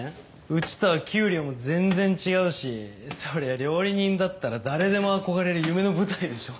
うちとは給料も全然違うしそりゃ料理人だったら誰でも憧れる夢の舞台でしょ。